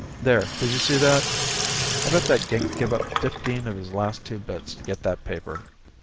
There, did you see that? I bet that gink give up fifteen of his last two bits to get that paper.